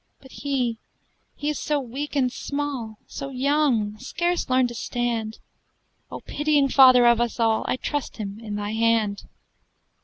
"But he, he is so weak and small, So young, scarce learned to stand O pitying Father of us all, I trust him in thy hand!